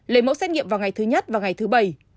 lấy mẫu xét nghiệm vào ngày thứ nhất và ngày thứ bảy